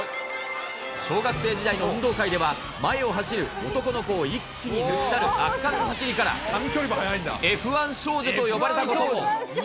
小学生時代の運動会では、前を走る男の子を一気に抜き去る圧巻の走りから、Ｆ１少女と呼ばれたことも。